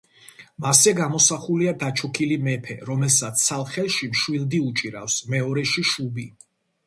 მასზე გამოსახულია დაჩოქილი მეფე, რომელსაც ცალ ხელში მშვილდი უჭირავს, მეორეში შუბი.